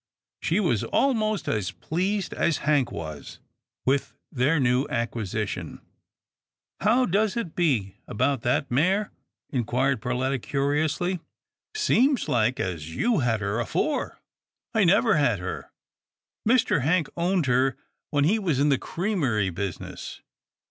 She was almost as pleased as Hank was with their new acquisition. "How does it be about that mare?" inquired Perletta, curiously. " Seems like as you had her afore." I never had her. Mr. Hank owned her when he was in the creamery business.